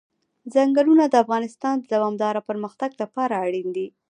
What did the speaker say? ځنګلونه د افغانستان د دوامداره پرمختګ لپاره اړین دي.